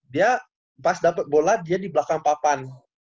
dia pas dapat bola dia di belakang papan